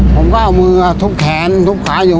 ผมก็เอามือทุบแขนทุบขาอยู่